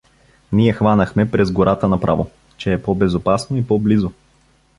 Ние хванахме през гората направо, че е по-безопасно и по-близо.